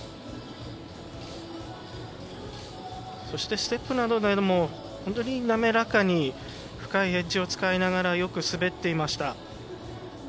そして、ステップなどでも本当に滑らかに深いエッジを使いながらよく滑っていました。